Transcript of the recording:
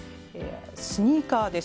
スニーカーです。